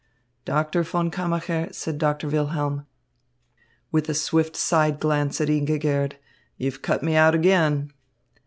"Doctor von Kammacher," said Doctor Wilhelm, with a swift side glance at Ingigerd, "you've cut me out again."